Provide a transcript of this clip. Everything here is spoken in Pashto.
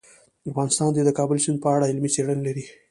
افغانستان د د کابل سیند په اړه علمي څېړنې لري.